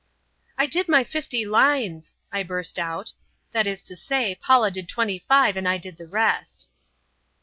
"I did my fifty lines!" I burst out, "that is to say, Paula did twenty five, and I did the rest."